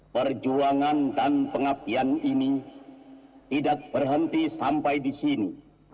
perjuangan dan pengabdian ini tidak berhenti sampai di sini